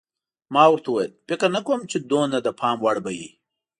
ما ورته وویل: فکر نه کوم چې دومره د پام وړ به وي.